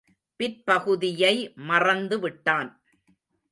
பிற்பகுதியை மறந்து விட்டான்.